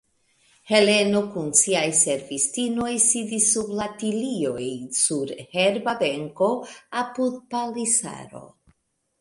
Heleno kun siaj servistinoj sidis sub la tilioj sur herba benko, apud palisaro.